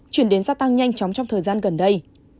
chuyển đến gia tăng nhanh chóng trong thời gian gần đây